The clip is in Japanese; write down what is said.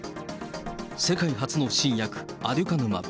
世界初の新薬、アデュカヌマブ。